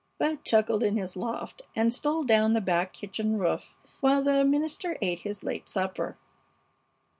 Bud chuckled in his loft and stole down the back kitchen roof while the minister ate his late supper.